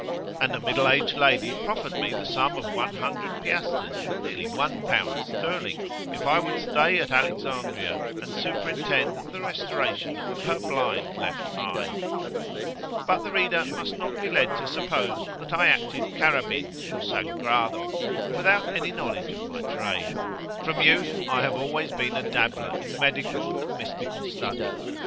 And a middle aged lady proffered me the sum of one hundred piastres, nearly one pound sterling, if I would stay at Alexandria, and superintend the restoration of her blind left eye. But the reader must not be led to suppose that I acted "Carabin" or "Sangrado" without any knowledge of my trade. From youth I have always been a dabbler in medical and mystical study.